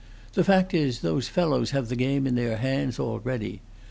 The fact is, those fellows have the game in their own hands already.